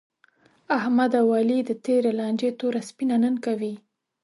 احمد او علي د تېرې لانجې توره سپینه نن کوي.